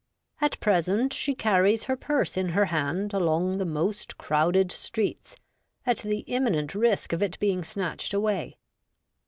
At present she carries her purse in her hand along the most crowded streets, at the imminent risk of its being snatched away.